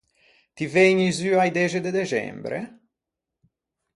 Ti vëgni zu a-i dexe de dexembre?